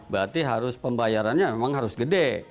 berarti harus pembayarannya memang harus gede